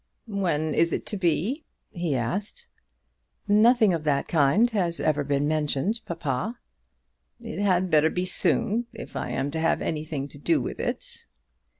"When is it to be?" he asked. "Nothing of that kind has ever been mentioned, papa." "It had better be soon, if I am to have anything to do with it."